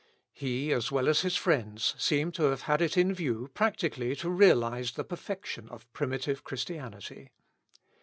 He, as well as his friends, seem to have had it in view practically to realise the perfection of primitive Christianity.